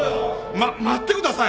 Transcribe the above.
ま待ってください。